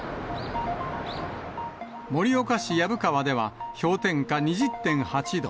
盛岡市薮川では氷点下２０．８度。